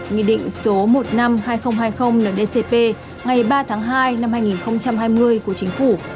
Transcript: nghị định số một năm hai nghìn hai mươi nldcp ngày ba tháng hai năm hai nghìn hai mươi của chính phủ